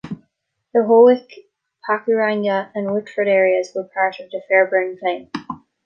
The Howick, Pakuranga, and Whitford areas were part of the Fairburn claim.